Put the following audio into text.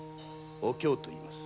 お京といいます。